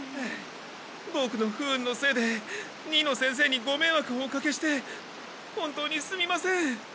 ボクの不運のせいで新野先生にごめいわくをおかけして本当にすみません。